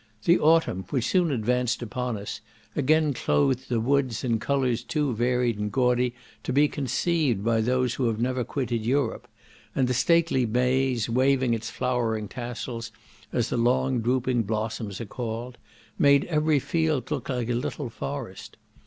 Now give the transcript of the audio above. The autumn, which soon advanced upon us, again clothed the woods in colours too varied and gaudy to be conceived by those who have never quitted Europe; and the stately maize, waving its flowing tassels, as the long drooping blossoms are called, made every field look like a little forest.